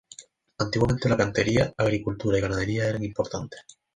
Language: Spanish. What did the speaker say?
Antiguamente la cantería, agricultura y ganadería, eran importantes.